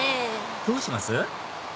どうします？